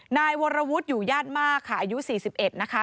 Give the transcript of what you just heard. นายวรวุฒิอยู่ญาติมากค่ะอายุ๔๑นะคะ